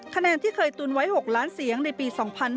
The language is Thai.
คะแนนที่เคยตุนไว้๖ล้านเสียงในปี๒๕๕๙